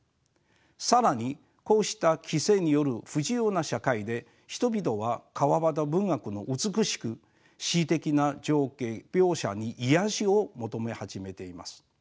更にこうした規制による不自由な社会で人々は川端文学の美しく詩的な情景描写に癒やしを求め始めています。